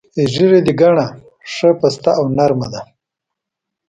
ږیره دې ګڼه، ښه پسته او نر مه ده.